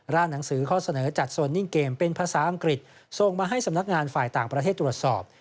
หนังสือข้อเสนอจัดโซนนิ่งเกมเป็นภาษาอังกฤษส่งมาให้สำนักงานฝ่ายต่างประเทศตรวจสอบ